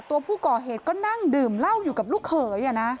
ตัวผู้ก่อเหตุก็นั่งดื่มเหล้าอยู่กับลูกเขย